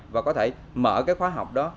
và có thể mở các khóa học đó